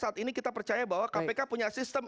saat ini kita percaya bahwa kpk punya sistem